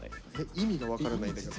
意味が分からないんだけど。